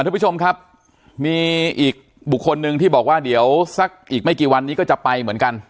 ทุกผู้ชมครับมีอีกบุคคลหนึ่งที่บอกว่าเดี๋ยวสักอีกไม่กี่วันนี้ก็จะไปเหมือนกัน